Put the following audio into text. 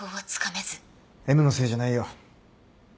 Ｍのせいじゃないよ。